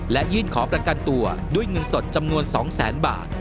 และยื่นขอประกันตัวด้วยเงินสดจำนวน๒แสนบาท